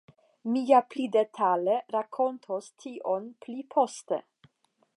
Mi ja pli detale rakontos tion pli poste.